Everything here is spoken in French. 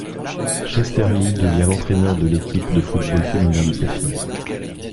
Chester Lee devient l'entraîneur de l'équipe de football féminin de sa fille.